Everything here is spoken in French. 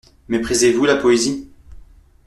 Méprisez-vous la poésie?